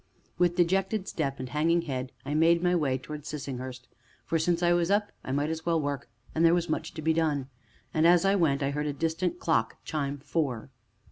With dejected step and hanging head I made my way towards Sissinghurst (for, since I was up, I might as well work, and there was much to be done), and, as I went, I heard a distant clock chime four.